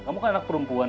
kamu kan anak perempuan